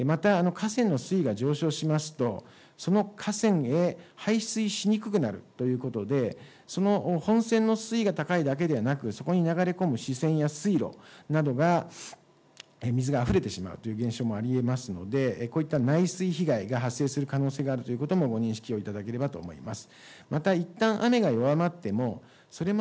また、河川の水位が上昇しますと、その河川へ排水しにくくなるということで、その本川の水位が高いだけでなく、そこに流れ込む支川や水路などが、水があふれてしまうという現象もあり得ますので、こういったないすい被害が発生する可能性があるということもご認識をいただければと思います。